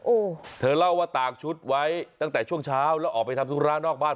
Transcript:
โอ้โหเธอเล่าว่าตากชุดไว้ตั้งแต่ช่วงเช้าแล้วออกไปทำธุระนอกบ้าน